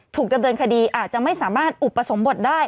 ถูกดำเนินคดีอาจจะไม่สามารถอุปสมบทได้